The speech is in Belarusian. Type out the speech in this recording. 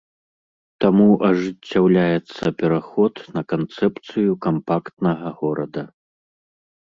Таму ажыццяўляецца пераход на канцэпцыю кампактнага горада.